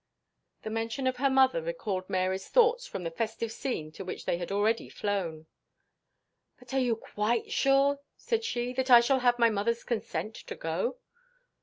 "The mention of her mother recalled Mary's thoughts from the festive scene to which they had already flown. "But are you quite sure," said she, "that I shall have my mother's consent to go?"